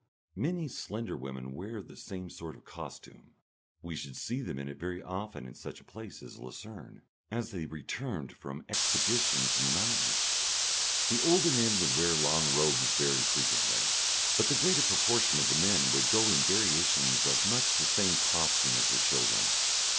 Many slender women wear the same sort of costume. We should see them in it very often in such a place as Lucerne, as they returned from expeditions in the mountains. The older men would wear long robes very frequently, but the greater proportion of the men would go in variations of much the same costume as the children.